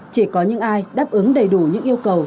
chỉ có những ai đáp ứng đầy đủ những yêu cầu